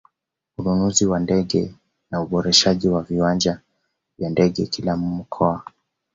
Ununuzi wa ndege na uboreshaji wa viwanja vya ndege kila mkoa